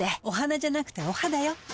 お花じゃなくてお肌よ。